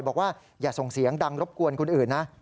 บอกว่าอย่าส่งเสียงดังรบกวนคนอื่นนะ